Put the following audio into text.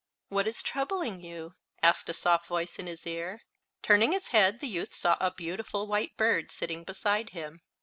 "What is troubling you?" asked a soft voice in his ear. Turning his head the youth saw a beautiful white bird sitting beside him.